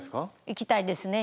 行きたいですね。